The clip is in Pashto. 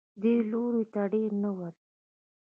دې لوري ته ډېر نه ورځي.